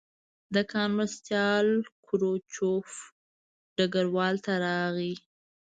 د کان مرستیال کروچکوف ډګروال ته راغی